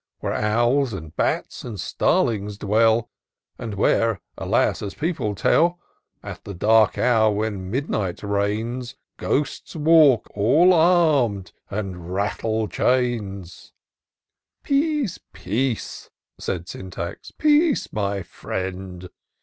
Where owls, and bats, and starlings dwell,— And where, alas ! as people tell. At the dark hour, when midnight reigns, Ghosts walk, all arm'd, and rattle chains." IN SEARCH OF THE PICTURESQUE. 93 "Peace, peace!" said Syntax, "peace, my friend.